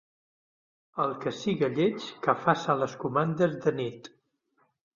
El que siga lleig, que faça les comandes de nit.